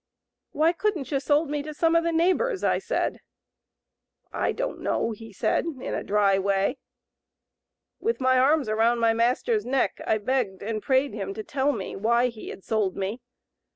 'Why couldn't you sold me to some of the neighbors?' I said. 'I don't know,' he said, in a dry way. With my arms around my master's neck, I begged and prayed him to tell me why he had sold me.